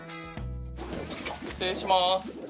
失礼します。